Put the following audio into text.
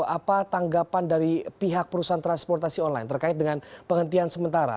apa tanggapan dari pihak perusahaan transportasi online terkait dengan penghentian sementara